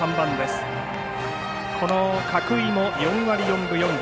この角井も４割４分４厘。